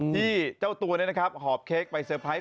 ที่เจ้าตัวนี้นะครับหอบเค้กไปเซอร์ไพรส์